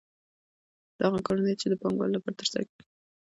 دا هغه کار دی چې د پانګوالو لپاره ترسره کېږي